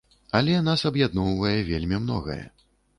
Але нас аб'ядноўвае вельмі многае.